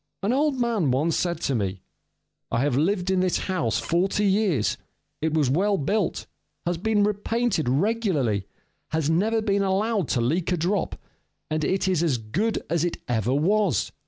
An old man once said to me: "I have lived in this house forty years: it was well built, has been repainted regularly, has never been allowed to leak a drop, and it is as good as it ever was.